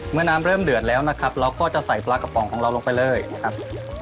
น้ำเริ่มเดือดแล้วนะครับเราก็จะใส่ปลากระป๋องของเราลงไปเลยนะครับ